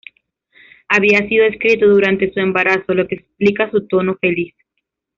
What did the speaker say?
Había sido escrito durante su embarazo, lo que explica su tono feliz.